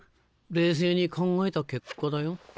冷静に考えた結果だよ。